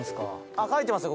あっ書いてますよ